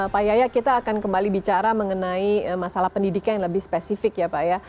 pak yaya kita akan kembali bicara mengenai masalah pendidikan yang lebih spesifik ya pak ya